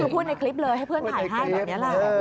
พูดคลิปเลยให้เพื่อนหายท่านแบบนี้แหละ